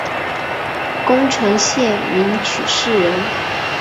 宫城县名取市人。